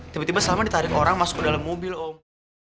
tiba tiba sama ditarik orang masuk ke dalam mobil om